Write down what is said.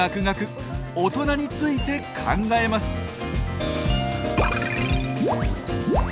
諤々大人について考えます。